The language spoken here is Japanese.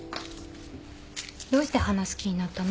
どうして花好きになったの？